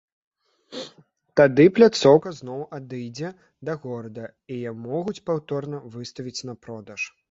Тады пляцоўка зноў адыдзе да горада, і яе могуць паўторна выставіць на продаж.